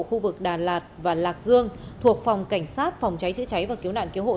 khu vực đà lạt và lạc dương thuộc phòng cảnh sát phòng cháy chữa cháy và cứu nạn cứu hộ